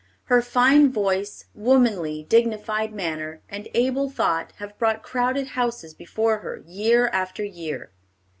Her fine voice, womanly, dignified manner, and able thought have brought crowded houses before her, year after year.